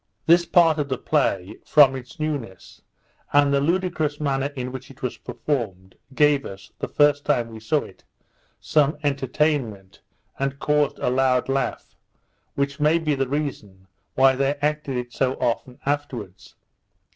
This part of the play, from its newness, and the ludicrous manner in which it was performed, gave us, the first time we saw it, some entertainment, and caused a loud laugh, which might be the reason why they acted it so often afterwards.